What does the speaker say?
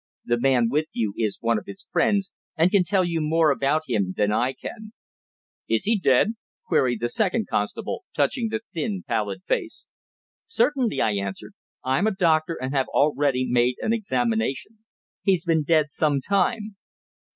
The man with you is one of his friends, and can tell you more about him than I can." "Is he dead?" queried the second constable, touching the thin, pallid face. "Certainly," I answered. "I'm a doctor, and have already made an examination. He's been dead some time."